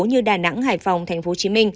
như đà nẵng hải phòng tp hcm